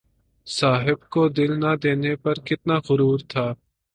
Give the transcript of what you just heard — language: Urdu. صاحب کو دل نہ دینے پہ کتنا غرور تھا